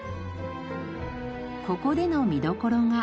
ここでの見どころが。